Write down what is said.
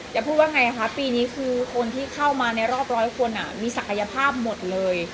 พูดว่าไงคะปีนี้คือคนที่เข้ามาในรอบร้อยคนมีศักยภาพหมดเลย